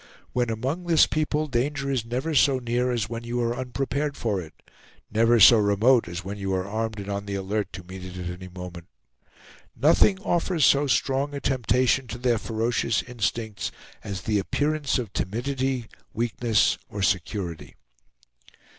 When among this people danger is never so near as when you are unprepared for it, never so remote as when you are armed and on the alert to meet it any moment. Nothing offers so strong a temptation to their ferocious instincts as the appearance of timidity, weakness, or security.